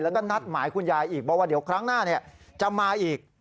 แล้วก็นัดหมายคุณยายอีกบอกว่าเดี๋ยวครั้งหน้าจะมาอีก